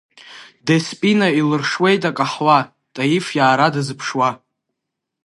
Деспина илыршуеит акаҳуа, Таиф иаара дазыԥшуа.